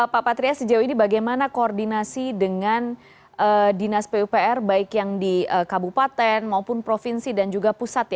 pak patria sejauh ini bagaimana koordinasi dengan dinas pupr baik yang di kabupaten maupun provinsi dan juga pusat